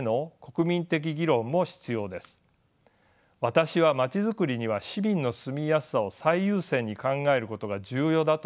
私は街づくりには市民の住みやすさを最優先に考えることが重要だと思っています。